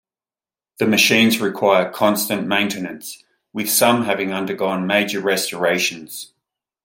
The machines require constant maintenance, with some having undergone major restorations.